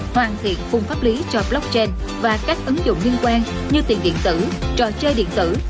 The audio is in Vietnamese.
hoàn thiện khung pháp lý cho blockchain và các ứng dụng liên quan như tiền điện tử trò chơi điện tử